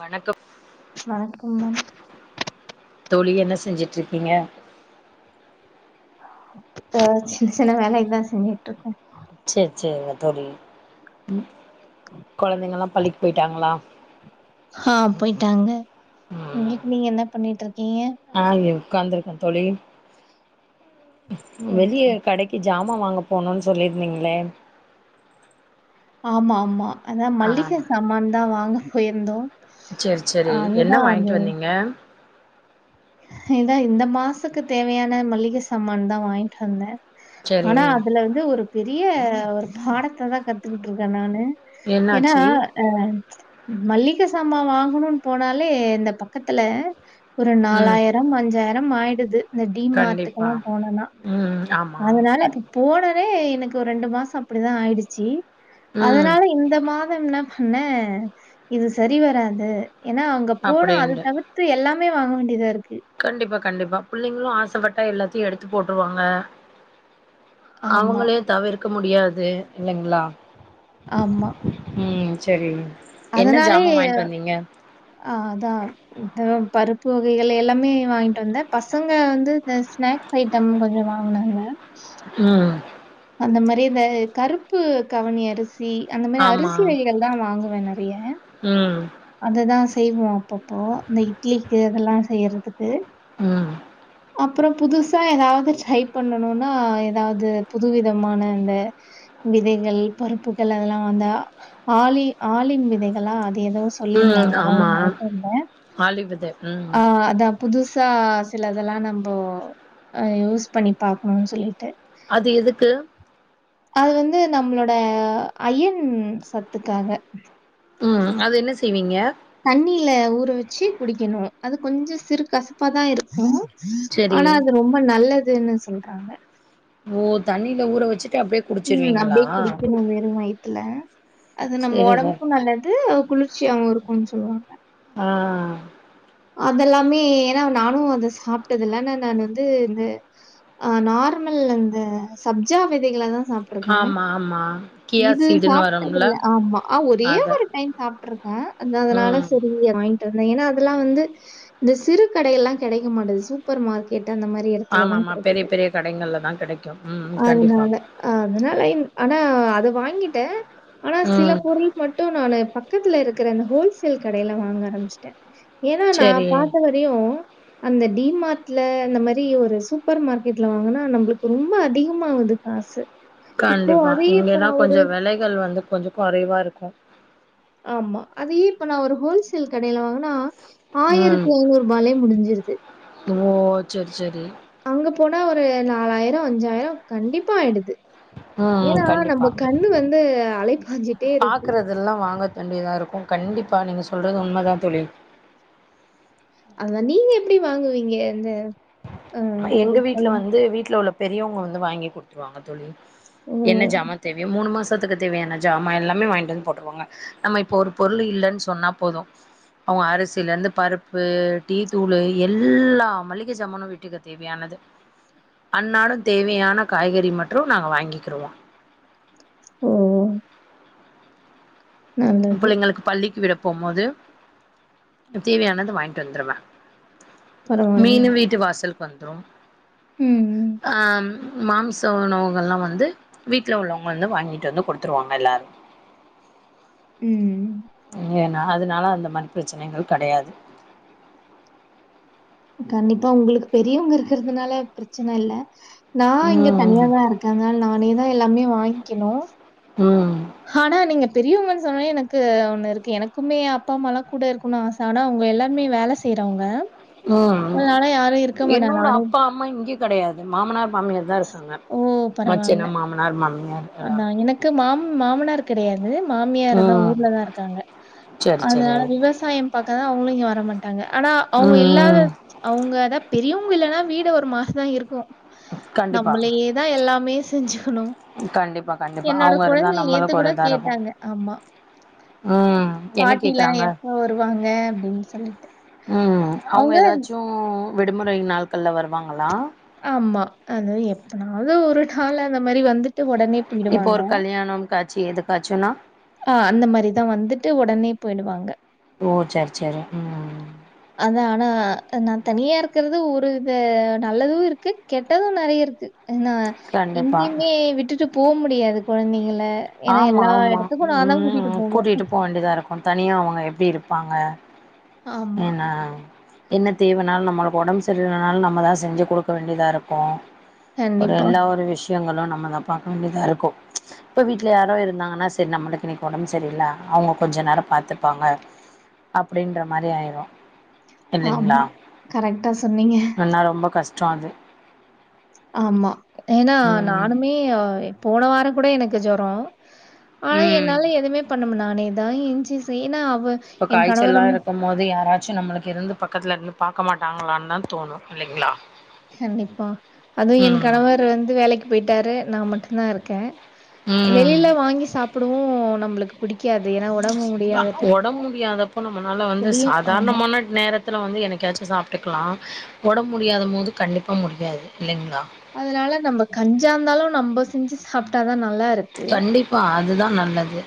வணக்கம் வணக்கம் மேம் தோழி என்ன செஞ்சுட்ருக்கீங்க இப்போ சின்ன சின்ன வேலைதா செஞ்சுட்ருக்கே சேர் சேரிங்க தோழி கொழந்தைங்ல்லா பள்ளிக்கு போயிட்டாங்ளா ஆ போயிட்டாங்க உங்ளுக்கு நீங்க என்ன பண்ணிட்டுருக்கீங்க நா இங்க உக்காந்துருக்கே தோழி வெளிய கடைக் கு ஜாமா வாங்க போணுன் சொல்லியிருந்திங்ளே ஆமா ஆமா அதா ஆ மளிக‌ சாமான் தா வாங்க போயிருந்தோ சேரி சேரி என்ன அதுதா வாங்கிட்டு வந்தீங்க ஏனா இந்த மாசக்கு தேவையான மளிக சாமான் தா வாங்கிட்டு வந்த சேரி ஆனா அதுல வந்து ஒரு பெரிய ஒரு பாடத்த தா கத்துக்கிட்ருக்க நானு ஏனா என்னாச்சு அ மளிக சாமா வாங்கணுன்னு போனாலே இந்த பக்கத்துல ஒரு ம் நாலாயிரம் அஞ்சாயிரம் ஆயிடுது இந்த டி கண்டிப்பா மார்ட்டுக்கெல்லா போனனா ம் ஆமா அதனால போனோனே எனக்கு ஒரு ரெண்டு மாசோ அப்படிதா ஆயிடுச்சு ம் அதனால இந்த மா தம் என்ன பண்ண இது சரி வராது ஏனா அங்க போன அது அப்டின்டு தவிர்த் எல்லாமே வாங்க வேண்டியதா இருக்கு கண்டிப்பா கண்டிப்பா புள்ளைங்களு ஆசப்பட்ட எல்லாத்தையு எடுத்து போட்ருவாங்க ஆமா, அவுங்களயு தவிர்க்க முடியாது இல்லைங்ளா ஆமா ம் சரி என்ன அதனாலே ஜாமா வாங்கிட்டு வந்தீங்க அ அதா இந்த பருப்பு வகைகள் எல்லாமே வாங்கிட்டு வந்த பசங்க வந்து இந்த ஸ்நாக்ஸ் ஐட்டம் கொஞ்சோ வாங்னாங்க ம் அந்த மாரி இந்த கருப்பு கவுனி அரி சி அந்த மாரி ஆமா அரிசி வகைகள் தா வாங்குவ நறைய ம் அது தா செய்வோ அப்பப்போ இந்த இட்லிக்கு அதெல்லா செய்யறதுக்கு ம் அப்புறோ புதுசா ஏதாவது ட்ரை பண்ணணுன்னா ஏதாவது புதுவிதமான இந்த விதைகள் பருப்புகள் அதெல்லா வந்தா ஆலி ஆலிப் விதைகளா அது ஏதோ ம் சொல்லிருந்தாங்க அதுவு ஆமா வாங்கிட்டு வந்த ஆலிவ் வித ம் அ அதா புதுசா சிலதெல்லா நம்போ அ யூஸ் பண்ணி பாக்கணுன் சொல்லிட்டு அது எதுக்கு அது வந்து நம்மளோட அயன் சத்துக்காக ம் அது என்ன செய்வீங்க தண்ணியில ஊற வச்சு குடிக்குணு அது கொஞ்சோ சிறு கசப்பாதா இருக்கு சரி ஆனா அது ரொம்ப நல்லதுன்னு சொல்றாங்க ஓ தண்ணியில ஊற வச்சுட்டு அப்டே ம் அப்டே குடிக்கணு வெறு வயத்துல அது நம்ம சரி ச ஒடம்புக்கு நல்லது குளிர் ச்சியாவு இருக்குன் சொல்வாங்க ஆ அதெல்லாமே ஏனா நானு அத சாப்டாதில்ல ந ந நான் வந்து இந்த அ நார்மல் அந்த சப்ஜா விதைகளதா ஆமா ஆமா கி இது சாப்ட்டதில்ல ஆமா அ ஒரே அத ஒரு டைம் சாப்ட்ருக்க அந்த அதனால ம் சரி வாங்கி ட்டு வந்த ஏனா அதல்லா வந்து இந்த சிறு கடையெல்லா கெடைக்க மாட்டேங்குது சூப் சூப்பர் மார்க்கெட்டு அந்த மாரி ஆமா எடத்துலதா ஆமா பெரிய கெடைக்குது பெரிய கடைங்கள்ல தா கெடைக்கு ம் கண்டிப்பா அதனால அ அதனால என் ஆனா அத வாங்கிட்ட ஆனா சில ம் பொருள் மட்டு நானு பக்கத்துல இருக்கற அந்த ஹோல்சேல் கடையில வாங்க ஆரம்பிச்சட்ட ஏனா நா சரி பா‌த்த வ ரையு அந்த டி மார்ட்ல இந்த மாரி ஒரு சூப்பர் மார்க்கெட்ல வாங்கன நம்மளுக்கு ரொம்ப அதிகமாகுது காசு இப்போ கண்டிப்பா அதையே இப்ப இங்கன்னா நான் ஒரு கொஞ்ச வெலைகள் வந்து கொஞ்சோ கொறைவா இருக்கு ஆமா அதயே இப்ப நா ஒரு ஹோல்சேல் கடைல வாங்கனா ம் ஆயிரத்தி ஐநூறு ரூபாலே முடிஞ்சிருது ஓ செரி செரி அங்க போனா ஒரு நாலாயிரோ அஞ்சாயிரோ கண்டிப்பா ஆயிடுது ம் ஏன்னா கண்டிப்பா நம்ம கண்ணு வந்து அலைப்பாஞ்சிட்டே இருக்கு அதெல்லா வாங்க தண்டி தா இருக்கு கண்டிப்பா நீங்க சொல்றது உண்ம தா தோழி அதா நீங்க எப்டி வாங்குவீங்க அந்த எங்க வீட்ல வந்து வீட்ல உள்ள பெரியவங்க வந்து வாங்கி குடுத்துருவாங்க தோழி ஓ! என்ன ஜாமன் தேவையோ மூணு மாசத்துக்கு தேவையான ஜாமான் எல்லாமே வாங்கிட்டு வந்து போட்டுருவாங்க நம்ம இப்ப ஒரு பொருள் இல்லன்னு சொன்னா போது அவங்க அரிசியில இருந்து பருப்பு டீ தூள் எல்லா மளிக சமானு வீட்டுக்கு தேவையானது அன்னாடு தேவையான காய்கறி மட்ரு நாங்க வாங்கிக்கிருவோ ஓ நல்லது. புள்ளைங்களுக்கு பள்ளிக்கு விட போம் போது தேவையானது வாங்கிட்டு வந்துருவே பரவாயில்லையே. மீனு வீட்டு வாசலுக்கு வந்துரும் ம் ம் ஆ மாமிச உணவுகள்லா வந்து வீட்டில் உள்ளவங்க வந்து வாங்கிட்டு வந்து குடுத்துருவாங்க எல்லோரு ம் ஏன்னா அதனால அந்த மாரி பிரச்சனைகள் கெடையாது கண்டிப்பா உங்களுக்கு பெரியவங்க இருக்கறதுனால பிரச்சனை இல்ல நா இங்க ம் தனியாதா இருக் கேங்க நானேதா எல்லாமே வாங்கிகணு ம் ஆனா நீங்க பெரியவங்கன்னு சொன்னே எனக்கு ஒண்ணு இருக்கு எனக்குமே அப்பா அம்மலா கூட இருக்குனு ஆசை தா ஆனா அவங்க எல்லாருமே வேல செய்யறவங்க ம் அதனலா யாரு இருக்க மாட்டா என்னோட நானே அப்பா அம்மா இங்க கெடையாது மாமனார் மாமியர் தா இருக் ஓ பரவாயில்ல மாமியார் எல்லாரு அதா எனக்கு மாம் மாமனார் கெடையாது மாமியார் தா ஊர்ல தா இருக்காங்க செரி அதனால செரிங் விவசாயம் பாக்கதா அவங்களு இங்க வரமாட்டாங்க ஆனா அவ்ங்க இல்லாத ம் ம் அவங்கதா பெரியவங்க இல்லன்னா வீடு ஒரு மாரிதா இருக்கு கண்டிப்பா நம்மளே தா எல்லாமே செஞ்சுக்கணு கண்டிப்பா கண்டிப்பா அவங்க இருந்தா நம்மளுக்கு ஒரு கூட இதா இருக்கு கேட்டாங்க. ஆமா. ம் என்ன பாட்டிலாம் கேக்கறாங்க எப்போ வருவாங்க? அப்படின்னு சொல்லிட்டு. ம் அவங்க ஏதாச்சு ஓ விடுமுறை நாள்கள்ல வருவாங்களா ஆமா அது எப்பனாவது ஒரு நாள் அந்த மாரி வந்துட்டு உடனே இப்ப போயிடுவாங்க. ஒரு கல்யாணம் காட்சி எதுக் காட்சுனா ஆ அந்த மாரிதா வந்துட்டு உடனே போயிடுவாங்க ஓ சரி சரி ம் அதா ஆனா நா தனியா இருக்கறது ஒரு இத நல்லது இருக்கு கெட்டது நெறைய இருக்கு ஏன்னா கண்டிப்பா எங்கேயுமே விட்டுட்டு போ முடியாது கொழந்தைங்கள ஆமா ஆமா ம் கூட்டிட்டு போ வேண்டியிதா இருக்கு தனியா அவங்க எப்டி இருப்பாங்க ஆமா. என்ன என்ன தேவைனாலு நம்மளுக்கு ஒடம்பு சரியனாலு நம்ம தா செஞ்சு குடுக்க வேண்டியதா இருக்கு ஒரு கண்டிப்பா. எல்லா ஒரு விஷயங்களு நம்மதா பாக்க வேண்டியதா இருக்கு இப்ப வீட்ல யாரோ இருந்தாங்கன்னா சரி நம்மளுக்கு இன்னைக்கு ஒடம்பு சரி இல்ல அவங்க கொஞ்ச நேர பாத்துப்பாங்க அப்டின்ற மாரி ஆயிரு இல்லைங்களா ஆமா. கரெக்ட்டா சொன்னீங்க. ஏன்னா ரொம்ப கஷ்ட அது ஆமா ஏன்னா ம் நானுமே போன வார கூட எனக்கு ஜொரோ ஆனா ம் என்னால எதுவுமே பண்ண முடில ஆனா எதானு எஞ்ஜி செய்ன அவ இப்ப என் காய்ச்சல்லா கணவரும் இருக்கும் போது யாராச்சு நம்மளுக்கு இருந்து பக்கத்துல இருந்து பாக்க மாட்டாங்களான்னு தா தோணு இல்லைங்களா கண்டிப்பா அதுவு என் ம் கணவர் வந்து வேலைக்கு போயிட்டாரு நா மட்டுந்தா இருக்கே ம் வெளியில வாங்கி சாப்படவு நம்மளுக்கு புடிக்காது ஏன்னா ஒ ஒடம்பு முடியாதப்போ நம்மனால வந்து வெளியும் ஆமா. சாதாரணமான நேரத்தில வந்து எனக்காச்சு சாப்ட்டுக்கலா ஒடம்பு முடியாத போது கண்டிப்பா முடியாது இல்லைங்களா அதனால நம்ம கஞ்சா இருந்தாலு நம்ப செஞ்சு சாப்ட்டாதா நல்லா இரு கண்டிப்பா அதுதா நல்லது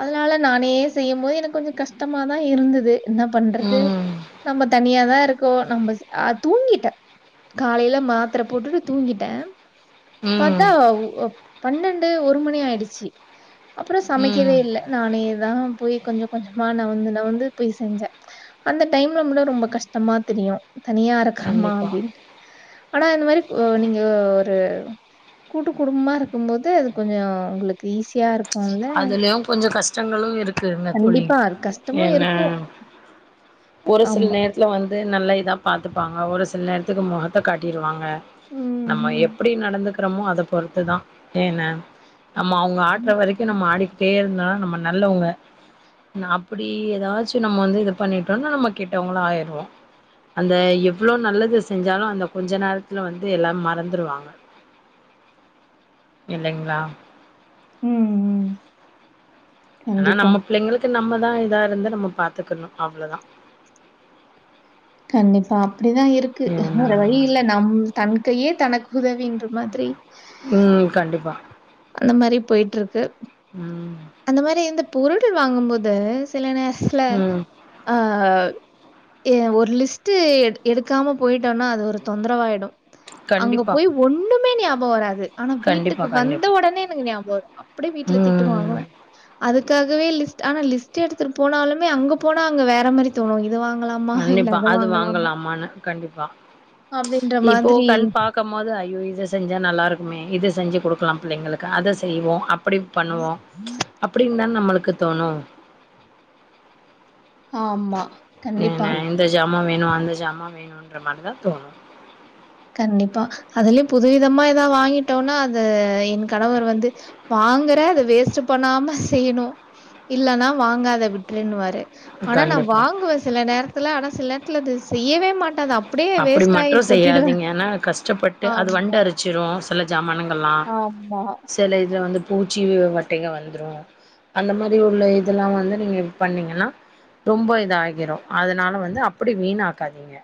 அதனால நானே செய்யும் போது எனக்கு கொஞ்ச கஷ்டமாதா இருந்தது என்ன பண்றது ம் நம்ம தனியாதா இருக்கோ நம்மஸ் அ தூங்கிட்டே காலையில மாத்திர போட்டுட்டு தூங்கிட்டே பாத்தா ம் பன்னெண்டு ஒரு மணி ஆயிடுச்சு அப்பற சமைக் [unintelligible] ம் இல்ல நானேதா போய் கொஞ்ச கொஞ்சமா நவுந்து நவுந்து போய் செஞ்சே அந்த டைம்ல முட்டு ரொம்ப கஷ்டமா தெரியு தனியா இருறக்கறமா கண்டிப்பா அப்படின்ட்டு ஆனா இந்த மாரி ஒ நீங்க ஒ ஒரு கூட்டு குடும்பமா இருக்கும்போது அது கொஞ்ச உங்களுக்கு ஈஸியா இருக் அதுலயு கொஞ்ச கஷ்டங்களு இருக் கு இருந்த தோழி கண்டிப்பா. அது கஷ்டமும் என்ன இருக்கும். ஒரு சில ஆமா. நேரத் துல வந்து நல்லா இதா பாத்துப்பாங்க ஒரு சில நேரத்துக்கு மொகத்த காட்டிருவாங்க ம், நம்ம ம். எப்படி நடந்துக்கிறமோ அத பொறுத்துதா ஏன நம்ம அவங்க ஆட்ற வரைக்கு நம்ம ஆடிக்கிட்டே இருந்தா நம்ம நல்லவங்க நா அப்படி ஏதாச்சு நம்ம வந்து இது பண்ணிட்டோம்னா நம்ம கெட்டவங்களா ஆயிருவோ அந்த எவ்வளோ நல்லது செஞ்சாலு அந்த கொஞ்ச நேரத்துல வந்து எல்லா மறந்துருவாங்க இல்லைங்களா ம் ம் ஆனா கண்டிப்பா. நம்ம பிள்ளைங்களுக்கு நம்மதா இதா இருந்து நம்ம பாத்துக்கணு அவ்ளதா கண்டிப்பா அப்படிதா இருக்கு ஏன்னா வேற வழி இல்ல நம் தன் கையே தனக்குதவின்ற மாரி ம் கண்டிப்பா அது மாரி போயிட்ருக்கு ம் அந்த மாரி இந்த பொருட்கள் வாங்கும்போது சில நேரத்துல ம் ஆ ஏ ஒரு லிஸ்ட்டு எடு எடுக்காம போயிட்டோம்னா அது ஒரு தொந்தரவாயிடு அங்க கண்டிப்பா போய் ஒண்ணுமே ஞாபக வராது ஆனா கண்டிப்பா வீட்டுக்கு வந்த கண்டிப்பா ஒடனே எனக்கு ஞாபக வரு அப்படியே வீட்ல திட்டு ம் வாங்குவே அதுக்காகவே லிஸ்ட் ஆனா லிஸ்ட்டு எடுத்துட்டு போனாலுமே அங்க போனா அங்க வேற மாரி தோணு இது வாங்கலாமா இல்ல கண்டிப்பா அத அது வாங்கலாமா வாங்கலாமான்னு கண்டிப்பா அப்படின்ற மாதிரி த்த மோது ஐயோ இத செஞ்சா நல்லாருக்குமே இத செஞ்சு குடுக்கலாம் பிள்ளைங்களுக்கு அத செய்வோ அப்புடி பண்ணுவோ அப்புடின் தன் நம்மளுக்கு தோணு ஆம்மா ஏன இந்த ஜாமா வேணு அந்த ஜாமா வேணுன்ற மாரி தா தோணு கண்டிப்பா அதுலே புதுவிதமா எதாவ் வாங்கிட்டோன்னா அத என் கணவர் வந்து வாங்குற அத வேஸ்ட்டு பண்ணாம செய்ணு இல்லன்னா வாங்காத விட்டுருனுவாரு ஆனா நா கண்டிப்பா வாங்குவ சில நேரத்துல ஆனா சில் நேரத்துல அது செய்யவே மாட்ட அத அப் அப்டி மட்ரு செய்யாதீங்க ஏன்னா கஷ் க்ஷப்பட்டு அது வண்டு ஆமா, அரிச்சிரு சில ஜாமானுங்கல்லா ஆமா. செல இது வந்து பூச்சி வட்டைங்க வந்துரு அந்த மாரி உள்ள இதெல்லா வந்து நீங்க பண்ணீங்கன்னா ரொம்ப இதாஆகிரு அதனால வந்து அப்புடி வீணாக்காதீங்க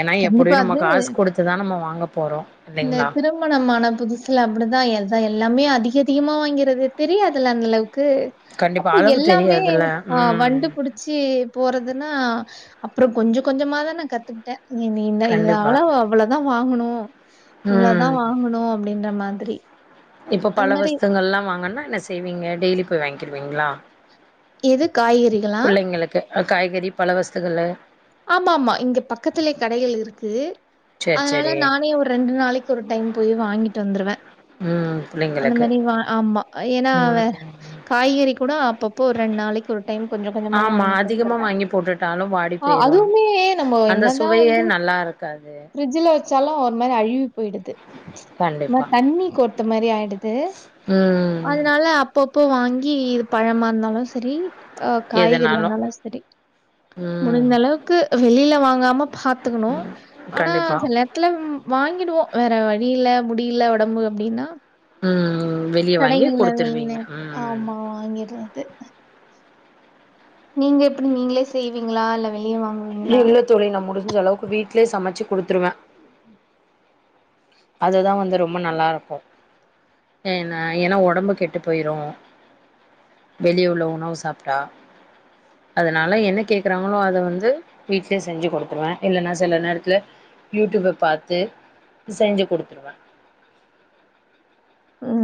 என்னா கண்டிப்பா எப்புடியு நம்ம காஸ் குடுத்துதா நம்ம வாங்க போறோ இல்லைங்களா நேத் இரவு மணமான புதுசுல அப்புடிதா எத எல்லாமே அதிக அதிகமா வாங்கிறது தெரியாதல அந்தளவுக்கு கண்டிப்பா அப்ப அளவு எல்லாமே தெரியாதுல்ல அ ம் வண்டுபுடி ச்சு போறதுன்னா அப்பற கொஞ்சொ கொஞ்சொமாதா நா கத்துக்கிட்டே நீ நீந்த கண்டிப்பா இதலா அவ்வளதா வாங்குணு இவ்ளதா ம் வாங்குணு அப்டின்ற மாதிரி இப்போ அது பல மாரி வஸ்தங்கள்லா வாங்கன்னா ன்ன செய்வீங்க டெய்லி போய் வாங்கிருவீங்களா எது காய்கறிகளா? புள்ளைங்குளுக்கு அ காய்கறி பல வஸ்துகளு ஆம்மா ஆம்மா இங்க பக்கத்துலே கடைகள் இருக்கு சேரி அதனால சேரி நானே ஒரு ரெண்டு நாளை க் ஒரு டைம் போயி வாங்கிட்டு வந்துருவ ம் அந்த புள்ளைங்களுக்கு மெரி வா ஆம்மா என்னா வேற ம் காய்கறி கூட அப்பப்போ ஒரு ரெண் நாளைக்கு ஒரு டைம் கொஞ்சொ கொஞ்சொமா வாங்கி வந்துருவ தாலும் வாடி அ போயிரு அதுமே நம்ம அந்த என்னதா சுவையே வந்து நல்லா இருக்காது ஃப்ரிட்ஜுல வச்சாலு ஒரு மாரி அழுவி பொய்டுது ஒரு மா கண்டிப்பா தண்ணி கோர்த்த மாரி ஆய்டுது ம் அது னால அப்பப்போ வாங்கி இது பழமார்ந்தாலு செரி அ எதுனாலு காய்கறிஆனாலு செரி ம் முடிந்தளவுக்கு வெளில வாங்காம பாத்துக்குணு ஆனா கண்டிப்பா சில நேர்த் த்துல வாங்கிடுவோ வேற வழி இல்ல முடியல ஒடம்பு அப்டின்னா ம் வெளிய வாங்கி கடைக்கிள்ல இல்ல குடுத்துருவீங்க ம் ஆம்மா வாங்கிறத்து நீங்க எப்புடி நீங்ளே செய்வீங்ளா ல்ல வெளிய வாங் இல்ல தோழி நா முடிஞ்ச அளவுக்கு வீட்லே சமைச்சு குடுத்துருவெ அததா வந்து ரொம்ப நல்லாருக்கு ஏன்னா என்னா ஒடம்பு கெட்டு போய்ரு வெளிய உள்ள உணவு சாப்ட்டா அதனால என்ன கேக்குறாங்களோ அத வந்து வீட்லே செஞ்சு குடுத்துருவ இல்லன்னா சில நேரத்தல யூடியூப பாத்து செஞ்சு குடுத்துருவ ம்